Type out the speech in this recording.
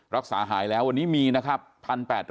รักษาหายแล้ววันนี้มี๑๘๒๙ศพ